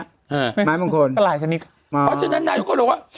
หือไม้มงคลเป็นหลายชนิดเพราะฉะนั้นท่านก็บอกว่า